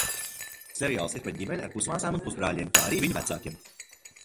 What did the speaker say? Seriāls ir par ģimeni ar pusmāsām un pusbrāļiem, kā arī viņu vecākiem.